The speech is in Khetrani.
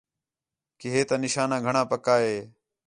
کہ ہے تا نشانہ گھݨاں پَکّا ہے